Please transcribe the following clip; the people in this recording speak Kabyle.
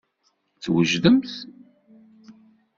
Twejdemt.